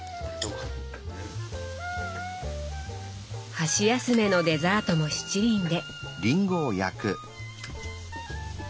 箸休めのデザートも七輪で。